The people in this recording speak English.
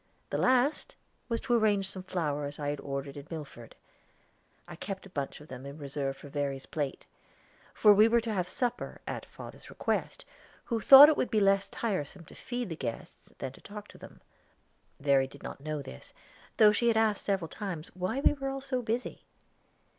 The last was to arrange some flowers I had ordered in Milford. I kept a bunch of them in reserve for Verry's plate; for we were to have a supper, at father's request, who thought it would be less tiresome to feed the guests than to talk to them. Verry did not know this, though she had asked several times why we were all so busy.